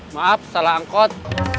maaf salah angkot